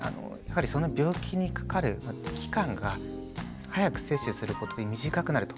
その病気にかかる期間が早く接種することで短くなると。